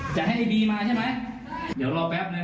จะให้ไอ้บีมาใช่ไหมเดี๋ยวรอแป๊บนึ